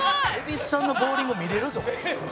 「蛭子さんのボウリング見れるぞ」